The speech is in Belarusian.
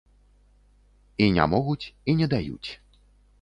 І не могуць, і не даюць.